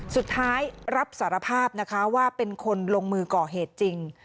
สุดท้ายรับสารภาพนะคะว่าเป็นคนลงมือก่อเหตุจริง